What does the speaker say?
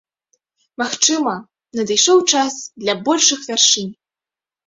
Магчыма, надышоў час для большых вяршынь.